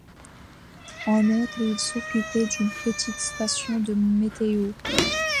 En outre, il s'occupait d'une petite station de météo.